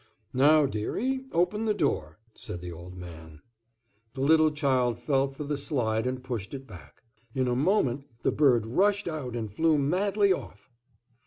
"Now, dearie, open the door," said the old man. The little child felt for the slide and pushed it back. In a moment the bird rushed out and flew madly off.